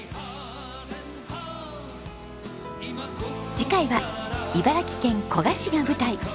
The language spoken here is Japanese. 次回は茨城県古河市が舞台。